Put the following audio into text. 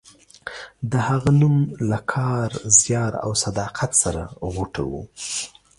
د هغه نوم له کار، زیار او صداقت سره غوټه و.